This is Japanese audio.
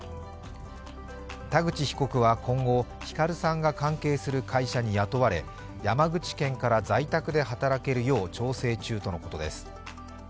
田口被告は今後、ヒカルさんが関係する会社に雇われ山口県から在宅で働けるよう調整中とのことです。